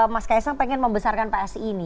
mas ks sang ingin membesarkan psi ini